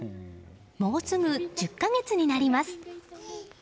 もうすぐ１０か月になります。